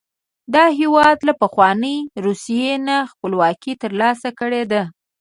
دا هېواد له پخوانۍ روسیې نه خپلواکي تر لاسه کړې ده.